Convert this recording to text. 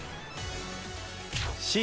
Ｃ